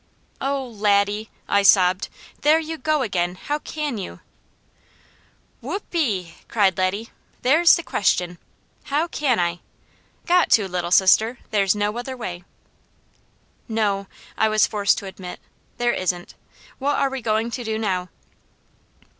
"Oh Laddie!" I sobbed. "There you go again! How can you?" "Whoo pee!" cried Laddie. "That's the question! How can I? Got to, Little Sister! There's no other way." "No," I was forced to admit, "there isn't. What are we going to do now?"